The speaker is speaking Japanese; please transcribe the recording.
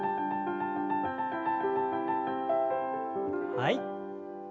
はい。